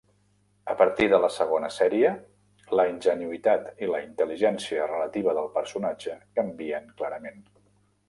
A partir de la segona sèrie, la ingenuïtat i la intel·ligència relativa del personatge canvien clarament.